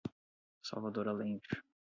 Salvador Allende